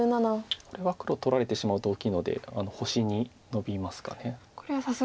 これは黒取られてしまうと大きいので星にノビますか。